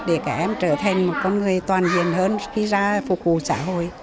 để các em trở thành một con người toàn diện hơn khi ra phục vụ xã hội